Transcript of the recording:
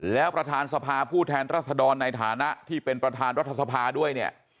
แล้วประธานสภาผู้แทนรัศดรในฐานะที่เป็นประธานรัฐสภาด้วยเนี่ย